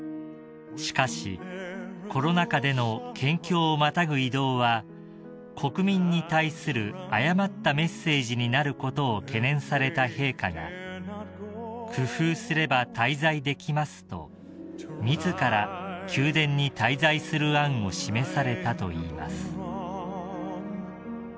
［しかしコロナ禍での県境をまたぐ移動は国民に対する誤ったメッセージになることを懸念された陛下が「工夫すれば滞在できます」と自ら宮殿に滞在する案を示されたといいます］